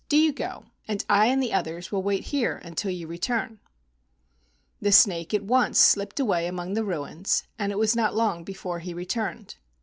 "Do you go, 32 AN EAST INDIAN STORY and I and the others will wait here until you return." The snake at once slipped away among the ruins, and it was not long before he returned.